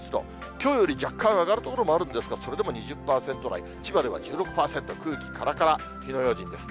きょうより若干上がる所もあるんですが、それでも２０％台、千葉では１６％、空気からから、火の用心です。